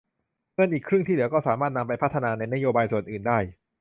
เงินอีกครึ่งที่เหลือก็สามารถนำไปพัฒนาในนโยบายส่วนอื่นได้